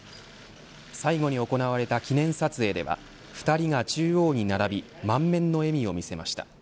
最後に行われた記念撮影では２人が中央に並び満面の笑みを見せました。